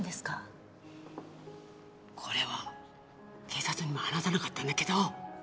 これは警察にも話さなかったんだけど。